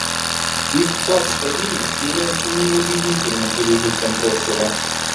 Их вклад в стабильность является неубедительным пережитком прошлого.